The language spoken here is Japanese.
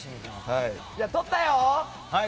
撮ったよ！